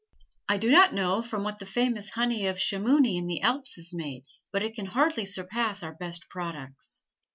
I do not know from what the famous honey of Chamouni in the Alps is made, but it can hardly surpass our best products.